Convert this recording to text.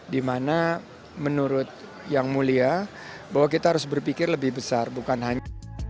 dimana menurut yang mulia bahwa kita harus berpikir lebih besar bukan hanya